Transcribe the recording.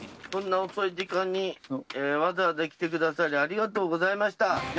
こんな遅い時間にわざわざ来てくださりありがとうございました。